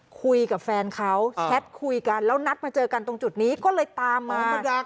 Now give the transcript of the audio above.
คุยกับแฟนเขาแชทคุยกันแล้วนัดมาเจอกันตรงจุดนี้ก็เลยตามมามา